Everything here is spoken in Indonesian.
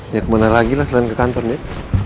ya kemana lagi lah selain ke kantor deh